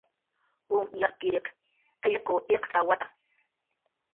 Um yakriq qillqw iqcx'awata.